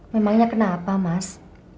memangnya kenapa mas